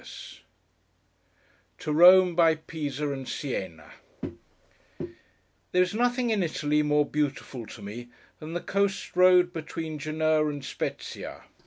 TO ROME BY PISA AND SIENA THERE is nothing in Italy, more beautiful to me, than the coast road between Genoa and Spezzia.